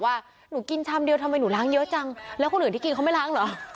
ว่าหนูกินชามเดียวทำไมหนูล้างเยอะจังแล้วคนอื่นที่กินเขาไม่ล้างเหรอ